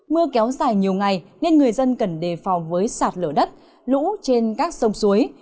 mưa kéo dài nhiều ngày nên người dân cần đề phòng với sạt lở đất lũ trên các sông suối